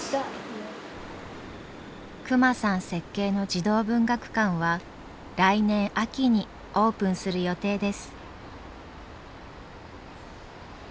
隈さん設計の児童文学館は来年秋にオープンする予定です。